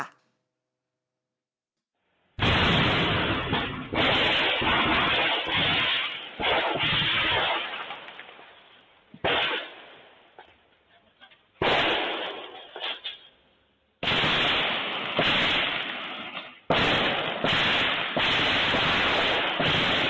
ให้อุปกรณ์เรียกเป้าหมายวางของคุณผู้ชมอายุทำให้คุณผู้ชมพูดอย่างร้าย